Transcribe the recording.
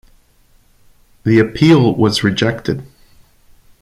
The appeal was rejected.